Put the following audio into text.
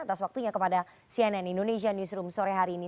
atas waktunya kepada cnn indonesia newsroom sore hari ini